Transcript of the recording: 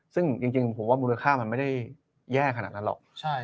ซึ่งจริงผมว่ามูลค่ามันไม่ได้แย่ขนาดนั้นหรอก